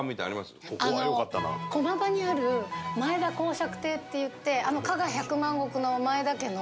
駒場にある前田侯爵邸っていって加賀百万石の前田家の。